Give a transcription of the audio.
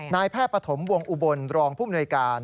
นายแพทย์ปฐมวงอุบลรองผู้มนวยการ